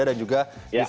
a sampai z